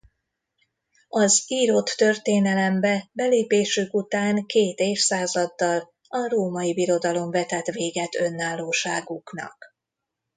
Az írott történelembe belépésük után két évszázaddal a Római Birodalom vetett véget önállóságuknak.